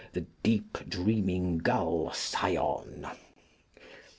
the deep dreaming gull Sion.